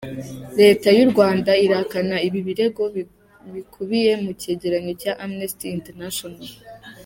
Leta y’u Rwanda irahakana ibi birego bikubiye mu cyegeranyo cya Amnesty International.